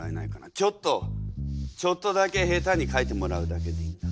ちょっとちょっとだけ下手に書いてもらうだけでいいんだ。